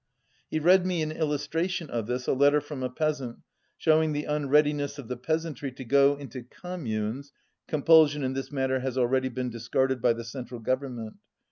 He read me, in illustration of this, a letter from a peasant showing the unreadiness of the peasantry to go into communes (compulsion in this matter has already been discarded by the Central Govern ment).